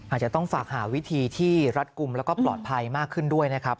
อาจจะต้องฝากหาวิธีที่รัดกลุ่มแล้วก็ปลอดภัยมากขึ้นด้วยนะครับ